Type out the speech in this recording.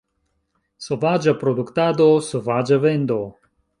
Sovaĝa produktado, sovaĝa vendo.